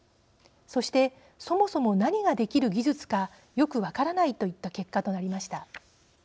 そしてそもそも何ができる技術かよく分からないといった結果となりました。